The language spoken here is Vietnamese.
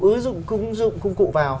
ứ dụng công cụ vào